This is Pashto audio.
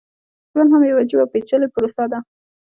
ژوند هم يوه عجيبه او پېچلې پروسه ده.